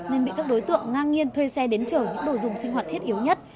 nên bị các đối tượng ngang nhiên thuê xe đến chở những đồ dùng sinh hoạt thiết yếu nhất